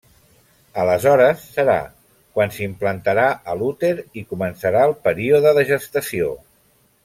Aleshores serà quan s'implantarà a l'úter i començarà el període de gestació.